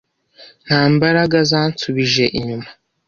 nta mbaraga zansubije inyuma